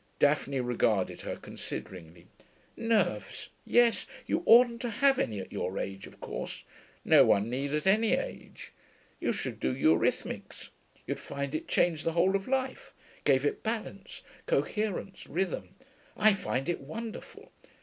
Daphne regarded her consideringly. 'Nerves. Yes. You oughtn't to have any at your age, of course. No one need, at any age. You should do eurhythmics. You'd find it changed the whole of life gave it balance, coherence, rhythm. I find it wonderful.